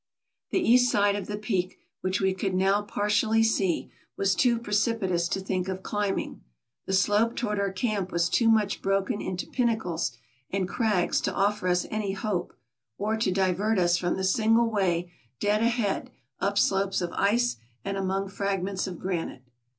The east side of the peak, which we could now partially see, was too precipitous to think of climbing. The slope toward our camp was too much broken into pinnacles and crags to offer us any hope, or to divert us from the single AMERICA 119 way, dead ahead, up slopes of ice and among fragments of granite.